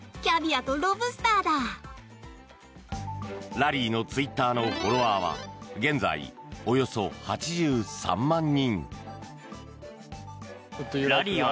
ラリーのツイッターのフォロワーは現在およそ８３万人。